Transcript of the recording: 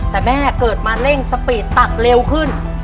แต่แม่เกิดมาเร่งสปีดตักเร็วขึ้น